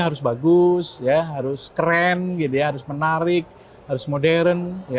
harus bagus harus keren harus menarik harus modern